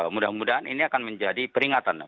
mudah mudahan ini akan menjadi peringatan